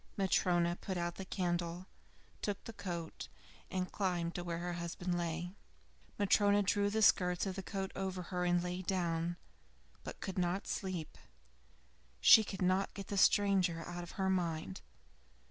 Matryona put out the candle, took the coat, and climbed to where her husband lay. Matryona drew the skirts of the coat over her and lay down, but could not sleep; she could not get the stranger out of her mind.